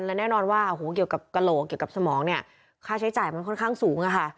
และแน่นอนว่าเกี่ยวกับกระโหลกเกี่ยวกับสมองเนี่ยค่าใช้จ่ายมันค่อนข้างสูงอะค่ะ